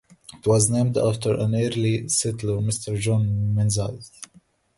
It was named after an early settler Mr. John Menzies.